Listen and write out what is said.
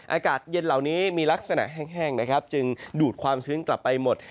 อากาศเย็นเหล่านี้มีลักษณะแห้งนะครับจึงดูดความชื้นกลับไปหมด